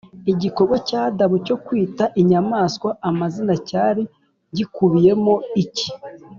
Igikorwa cya Adamu cyo kwita inyamaswa amazina cyari gikubiyemo iki